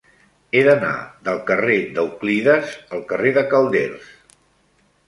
He d'anar del carrer d'Euclides al carrer de Calders.